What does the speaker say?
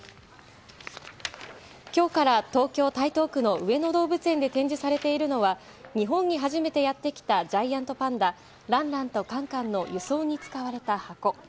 今日から東京・台東区の上野動物園で展示されているのは日本に初めてやってきたジャイアントパンダ、ランランとカンカンの輸送に使われた箱。